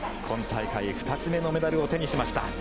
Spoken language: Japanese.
今大会２つ目のメダルを手にしました。